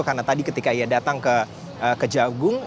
karena tadi ketika ia datang ke kejagung